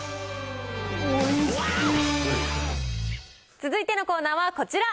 続いてのコーナーはこちら。